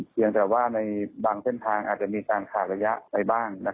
เพียงแต่ว่าในบางเส้นทางอาจจะมีการขาดระยะไปบ้าง